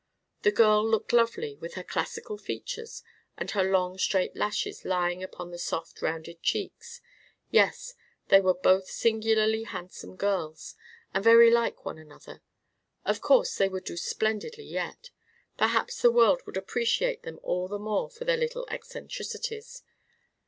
The girl looked lovely, with her classical features and the long straight lashes lying upon the soft rounded cheeks. Yes, they were both singularly handsome girls, and very like one another. Of course they would do splendidly yet. Perhaps the world would appreciate them all the more for their little eccentricities.